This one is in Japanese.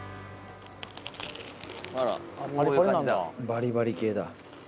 バリバリ系だ。